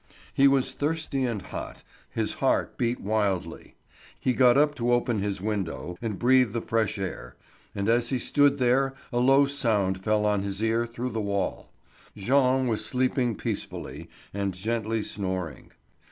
He was thirsty and hot, his heart beat wildly. He got up to open his window and breathe the fresh air, and as he stood there a low sound fell on his ear through the wall. Jean was sleeping peacefully, and gently snoring.